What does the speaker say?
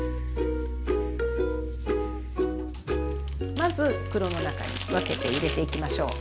まず袋の中に分けて入れていきましょう。